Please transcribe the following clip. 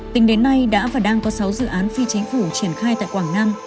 tính đến nay đã và đang có sáu dự án phi chính phủ triển khai tại quảng nam